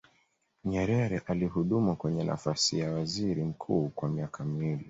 nyerere alihudumu kwenye nafasi ya waziri mkuu kwa miaka miwili